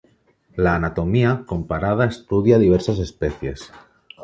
La anatomía comparada estudia diversas especies.